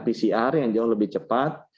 pcr yang jauh lebih cepat